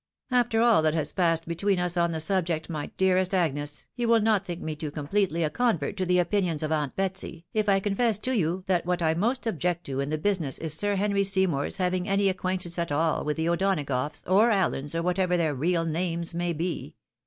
" After all that has passed between us on the subject, my dearest Agnes, you wiU not think me too completely a convert' to the opinions of Aunt Betsy, if I confess to you that what I most object to iu the biisiness is Sir Henry Seymour's having any acquaintance at all with the O'Donagoughs, or Aliens, or whatev6r their real names may be.